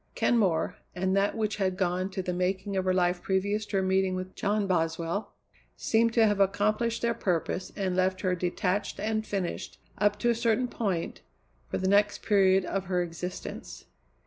Kenmore, and that which had gone to the making of her life previous to her meeting with John Boswell, seemed to have accomplished their purpose and left her detached and finished, up to a certain point, for the next period of her existence.